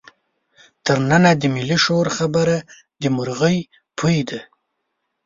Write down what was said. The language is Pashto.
تر ننه د ملي شعور خبره د مرغۍ پۍ ده.